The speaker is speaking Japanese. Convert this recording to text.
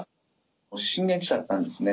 震源地だったんですね。